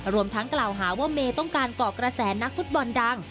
รวมทั้งกล่าวหาว่าเมย์ต้องการก่อกระแสนักฟุตบอลดัง